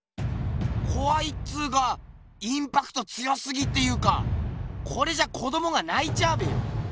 こわいっつうかインパクト強すぎっていうかこれじゃ子どもがないちゃうべよ。